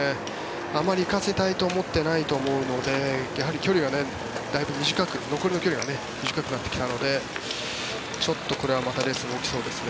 あまり行かせたいと思ってないと思うのでやはり残りの距離がだいぶ短くなってきたのでちょっとこれはまたレースが動きそうですね。